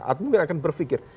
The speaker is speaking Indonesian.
atau mungkin akan berpikir